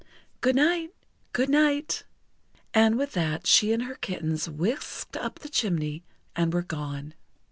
Good night! Good night!" And with that she and her kittens whisked up the chimney, and were gone.